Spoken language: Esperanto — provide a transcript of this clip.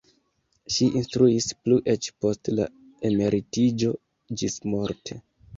Ŝi instruis plu eĉ post la emeritiĝo ĝismorte.